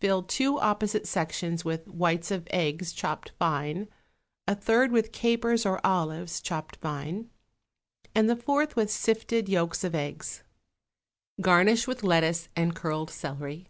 Fill two opposite sections with whites of eggs chopped fine, a third with capers or olives chopped fine, and the fourth with sifted yolks of eggs. Garnish with lettuce and curled celery.